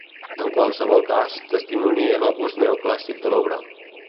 En qualsevol cas, testimonien el gust neoclàssic de l'obra.